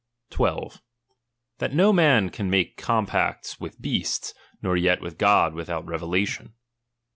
12. That no man can make compacts with beasts, nor yet with God without revelation.